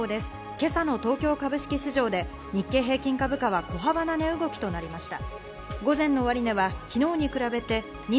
今朝の東京株式市場で日経平均株価は小幅な値動きとなりました。